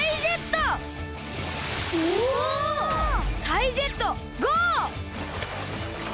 タイジェットゴー！